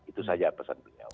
itu saja pesan beliau